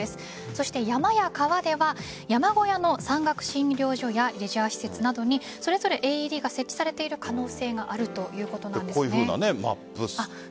そして、山や川では山小屋の山岳診療所やレジャー施設などにそれぞれＡＥＤが設置されているこういうふうなマップ。